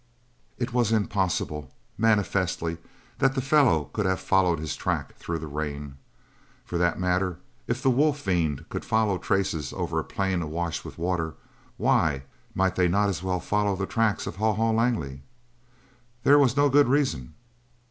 It was impossible, manifestly, that the fellow could have followed his track through the rain. For that matter, if the wolf fiend could follow traces over a plain awash with water, why might they not as well follow the tracks of Haw Haw Langley? There was no good reason.